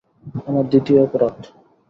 আমার দ্বিতীয় অপরাধ।